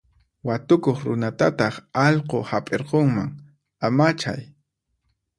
Watukuq runatataq allqu hap'irqunman, amachay.